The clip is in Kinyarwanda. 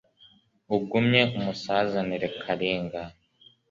ugumye umusazanire kalinga